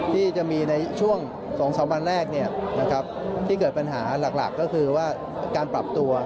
ที่จะมีในช่วงสองสามวันแรกเนี่ยนะครับที่เกิดปัญหาหลักก็คือว่าการปรับตัว